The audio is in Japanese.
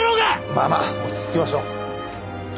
まあまあ落ち着きましょう。